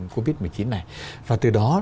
covid một mươi chín này và từ đó